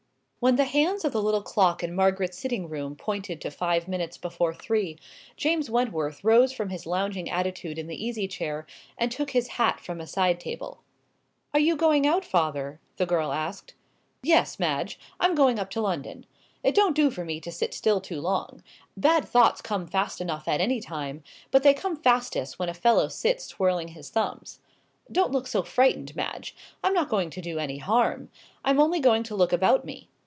When the hands of the little clock in Margaret's sitting room pointed to five minutes before three, James Wentworth rose from his lounging attitude in the easy chair, and took his hat from a side table. "Are you going out, father?" the girl asked. "Yes, Madge; I'm going up to London. It don't do for me to sit still too long. Bad thoughts come fast enough at any time; but they come fastest when a fellow sits twirling his thumbs. Don't look so frightened, Madge; I'm not going to do any harm. I'm only going to look about me.